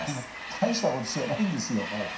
大したことじゃないんですよ。